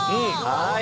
はい。